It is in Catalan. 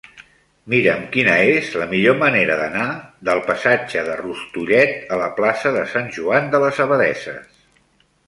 Mira'm quina és la millor manera d'anar del passatge de Rustullet a la plaça de Sant Joan de les Abadesses.